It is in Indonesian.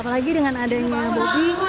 apalagi dengan adanya bobi